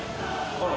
あら。